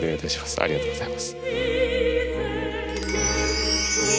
ありがとうございます。